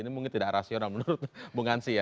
ini mungkin tidak rasional menurut bung hansi ya